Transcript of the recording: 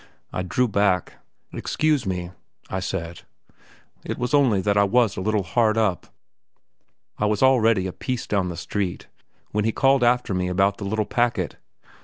I drew back. "Excuse me," I said; "it was only just that I was a bit hard up." I was already a piece down the street, when he called after me about the little packet.